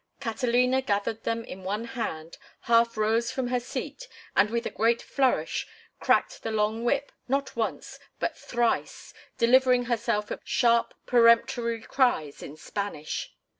Catalina gathered them in one hand, half rose from her seat, and with a great flourish cracked the long whip, not once, but thrice, delivering herself of sharp, peremptory cries in Spanish.